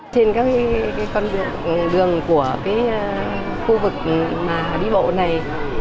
trên các con đường của khu vực mà đi bộ này